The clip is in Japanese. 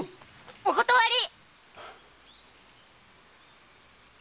お断り！